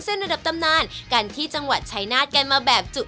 เราทำอะไรได้สำเร็จ